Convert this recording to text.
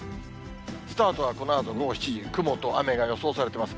スタートはこのあと午後７時、雲と雨が予想されてます。